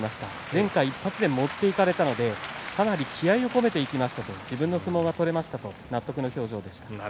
前回、１発で持っていかれたのでかなり気合いを込めていきましたと自分の相撲が取れましたと納得の表情でした。